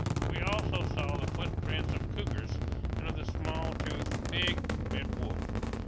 We also saw the footprints of cougars and of the small toothed, big, red wolf.